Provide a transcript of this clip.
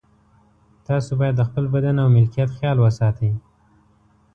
تاسو باید د خپل بدن او ملکیت خیال وساتئ.